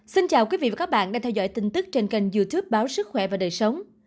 xin chào quý vị và các bạn đang theo dõi tin tức trên kênh youtube báo sức khỏe và đời sống